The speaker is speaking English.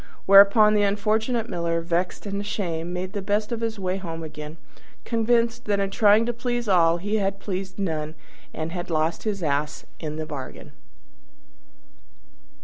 Whereupon the unfortunate Miller, vexed and ashamed, made the best of his way home again, convinced that in trying to please all he had pleased none, and had lost his Ass into the bargain.